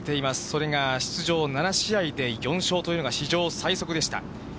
それが出場７試合で４勝というのが史上最速でした。